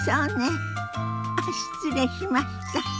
あっ失礼しました。